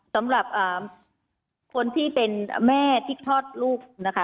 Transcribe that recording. สำหรับคนที่เป็นแม่ที่คลอดลูกนะคะ